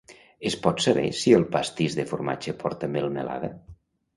Es pot saber si el pastís de formatge porta melmelada?